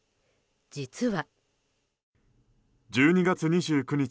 実は。